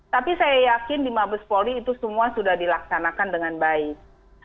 tapi saya yakin di mabes polri itu semua sudah dilaksanakan dengan baik